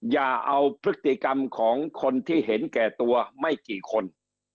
อย่าเอาพฤติกรรมของคนที่เห็นแก่ตัวไม่กี่คน